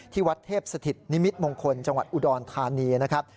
ที่วัดเทพสถิตนิมิตมงคลจังหวัดอุดรธานีนะครับ